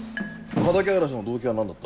畑荒らしの動機は何だった？